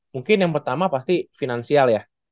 mungkin yang pertama pasti finansial ya